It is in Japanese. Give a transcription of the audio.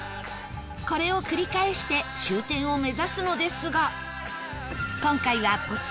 これを繰り返して終点を目指すのですが